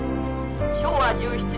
昭和１７年」。